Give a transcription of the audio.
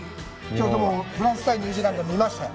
フランス対ニュージーランド、見ましたよ。